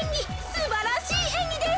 すばらしいえんぎです。